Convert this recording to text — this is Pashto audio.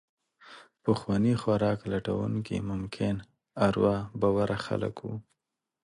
پخواني خوراک لټونکي ممکن اروا باوره خلک وو.